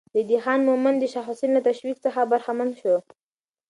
ريدی خان مومند د شاه حسين له تشويق څخه برخمن شو.